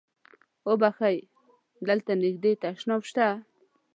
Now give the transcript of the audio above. اوبښئ! دلته نږدې تشناب شته؟